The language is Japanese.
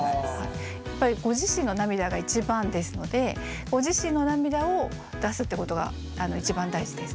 やっぱりご自身の涙が一番ですのでご自身の涙を出すってことが一番大事です。